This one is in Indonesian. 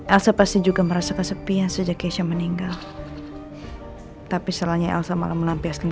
elsa pasti juga merasa kesepian sejak keisha meninggal tapi soalnya elsa malah melampiaskan